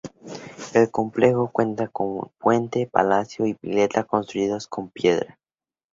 El complejo cuenta con puente, palacio y pileta construidos con piedra.